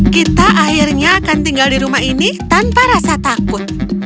kita akhirnya akan tinggal di rumah ini tanpa rasa takut